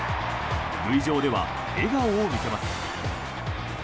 塁上では笑顔を見せます。